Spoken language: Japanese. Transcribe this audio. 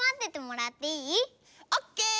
オッケー！